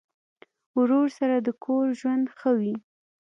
ورور سره د کور ژوند ښه وي.